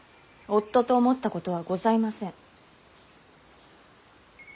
夫と思ったことはございません。